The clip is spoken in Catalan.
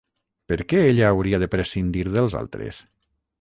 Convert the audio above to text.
Per què ella hauria de prescindir dels altres?